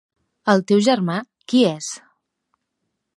El teu germà, qui és?